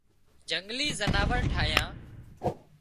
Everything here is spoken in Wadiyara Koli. جنگلِي زناور ٺاهيان